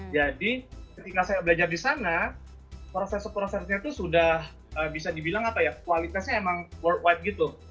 ketika saya belajar di sana proses prosesnya itu sudah bisa dibilang apa ya kualitasnya emang world white gitu